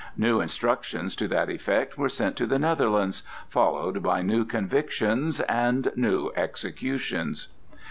New instructions to that effect were sent to the Netherlands, followed by new convictions and new executions.